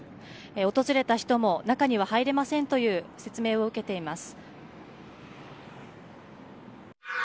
訪れた人も中には入れませんという説明を受けています。